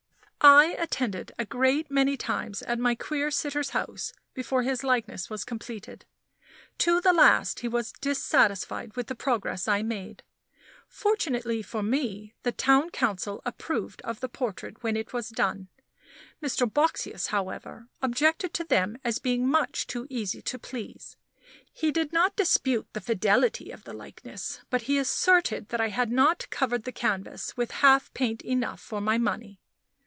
I attended a great many times at my queer sitter's house before his likeness was completed. To the last he was dissatisfied with the progress I made. Fortunately for me, the Town Council approved of the portrait when it was done. Mr. Boxsious, however, objected to them as being much too easy to please. He did not dispute the fidelity of the likeness, but he asserted that I had not covered the canvas with half paint enough for my money.